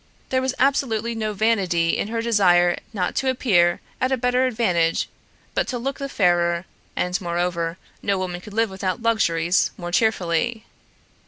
There was absolutely no vanity in her desire not to appear at a better advantage but to look the fairer, and, moreover, no woman could live without luxuries more cheerfully.